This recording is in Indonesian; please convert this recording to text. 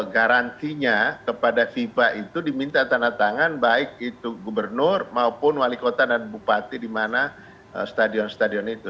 garantinya kepada fifa itu diminta tanda tangan baik itu gubernur maupun wali kota dan bupati di mana stadion stadion itu